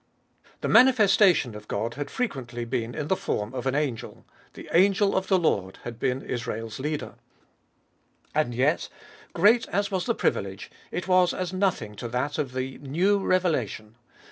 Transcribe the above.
The manifestation of God had frequently been in the form of an angel :" the angel of the Lord" had been Israel's leader. And yet great as was the privilege, it was as nothing to that of the new revelation.